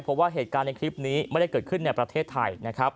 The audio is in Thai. เพราะว่าเหตุการณ์ในคลิปนี้ไม่ได้เกิดขึ้นในประเทศไทยนะครับ